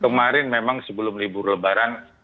kemarin memang sebelum libur lebaran